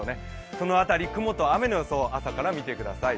その辺り、雲と雨の予想、朝から見てください。